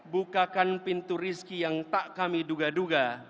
bukakan pintu rizki yang tak kami duga duga